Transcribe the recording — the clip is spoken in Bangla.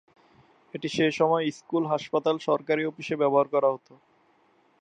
এটি সেসময় স্কুল, হাসপাতাল, সরকারি অফিসে ব্যবহার করা হতো।